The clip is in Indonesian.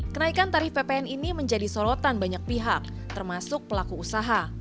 kenaikan tarif ppn ini menjadi sorotan banyak pihak termasuk pelaku usaha